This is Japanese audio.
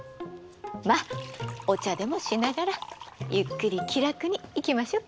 まあお茶でもしながらゆっくり気楽にいきましょうか。